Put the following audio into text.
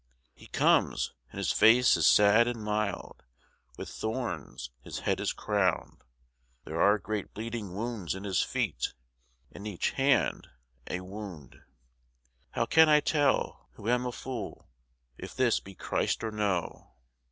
He comes, and his face is sad and mild, With thorns his head is crowned; There are great bleeding wounds in his feet, And in each hand a wound. How can I tell, who am a fool, If this be Christ or no?